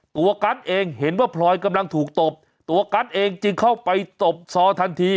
กัสเองเห็นว่าพลอยกำลังถูกตบตัวกัสเองจึงเข้าไปตบซอทันที